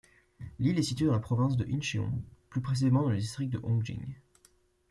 L'île est située dans la province de Incheon, plus précisément dans le district d'Ongjin.